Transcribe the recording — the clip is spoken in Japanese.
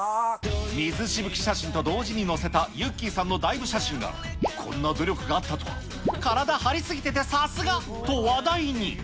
水しぶき写真と同時に載せたゆっｋｅｙさんのダイブ写真が、こんな努力があったとは、体張り過ぎててさすがと話題に。